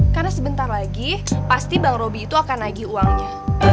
karena sebentar lagi pasti bang robby itu akan nagih uangnya